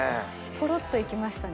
ポロっといきましたね。